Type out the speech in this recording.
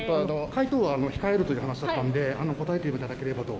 回答は控えるという話だったので、答えていただければと。